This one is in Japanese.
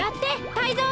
タイゾウ！